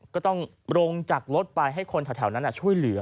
ก็ต้องลงจากรถไปให้คนแถวนั้นช่วยเหลือ